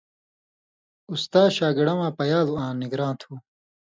استا شاگڑہ واں پیالوۡ آں نگران تُھو